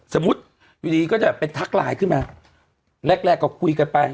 สมมุติอยู่ดีก็จะเป็นทักไลน์ขึ้นมาแรกแรกก็คุยกันไป